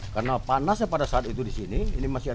karena panasnya pada saat itu di sini